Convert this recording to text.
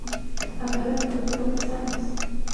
عدالت د زور او فساد مخه نیسي.